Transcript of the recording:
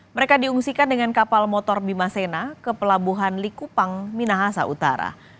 mereka diungsikan dengan kapal motor bima sena ke pelabuhan likupang minahasa utara